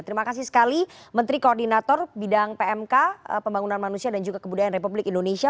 terima kasih sekali menteri koordinator bidang pmk pembangunan manusia dan juga kebudayaan republik indonesia